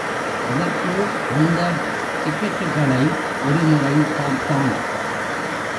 அதற்குள் அந்த டிக்கட்டுகளை ஒரு முறை பார்த்தான்.